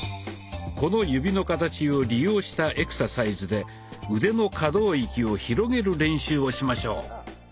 この指の形を利用したエクササイズで腕の可動域を広げる練習をしましょう。